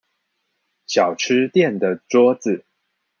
小吃店的桌子